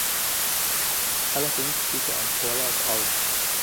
Allerdings schied er im Vorlauf aus.